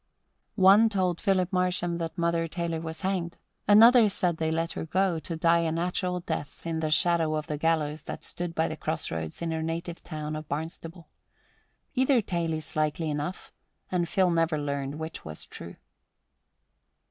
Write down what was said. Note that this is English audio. One told Philip Marsham that Mother Taylor was hanged; another said they let her go, to die a natural death in the shadow of the gallows that stood by the crossroads in her native town of Barnstable. Either tale is likely enough, and Phil never learned which was true.